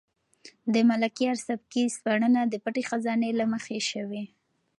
د ملکیار سبکي سپړنه د پټې خزانې له مخې شوې.